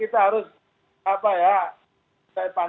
saya bisa membersihkan